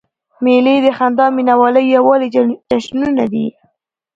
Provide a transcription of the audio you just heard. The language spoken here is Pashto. مېلې د خندا، مینوالۍ او یووالي جشنونه دي.